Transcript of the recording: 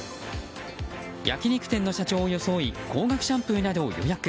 焼き肉店の社長を装い高額シャンプーなどを予約。